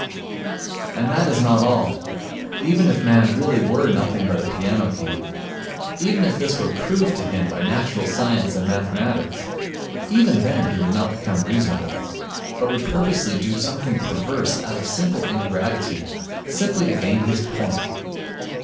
And that is not all: even if man really were nothing but a piano key, even if this were proved to him by natural science and mathematics, even then he would not become reasonable, but would purposely do something perverse out of simple ingratitude, simply to gain his point.